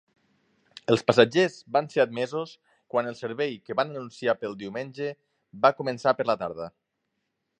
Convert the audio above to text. Els passatgers van ser admesos quan el servei que van anunciar pel diumenge va començar per la tarda.